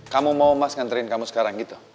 kamu mau mas nganterin kamu sekarang gitu